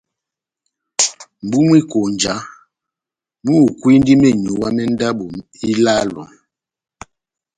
mʼbúmwi-konja múhukwindi menyuwa mé ndabo ilálo.